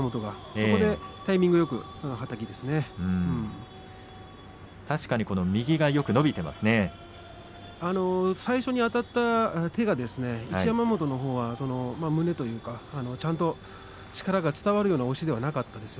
そこでタイミングよく確かに右がよく最初にあたった手が一山本のほうは胸というか、ちゃんと力が伝わるような押しではなかったです。